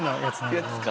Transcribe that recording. やつか。